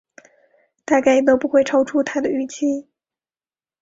大概都不会超出他的预期